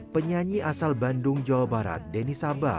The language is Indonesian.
penyanyi asal bandung jawa barat denny saba